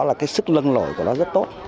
là sức lưng lổi của nó rất tốt